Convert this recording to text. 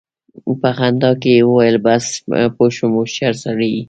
په خندا کې يې وويل: بس! پوه شوم، هوښيار سړی يې!